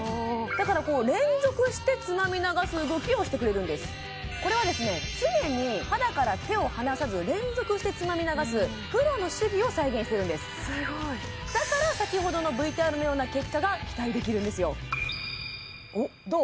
だから連続してつまみ流す動きをしてくれるんですこれはですね常に肌から手を離さず連続してつまみ流すプロの手技を再現してるんですすごいだから先ほどのＶＴＲのような結果が期待できるんですよどう？